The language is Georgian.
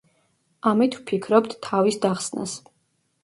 ამით ვფიქრობთ თავის დახსნას!